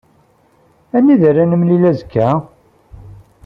Anida ara nemlil azekka?